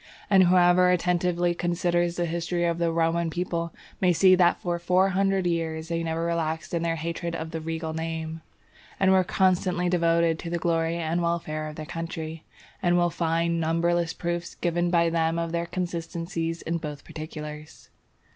And whosoever attentively considers the history of the Roman people, may see that for four hundred years they never relaxed in their hatred of the regal name, and were constantly devoted to the glory and welfare of their country, and will find numberless proofs given by them of their consistency in both particulars.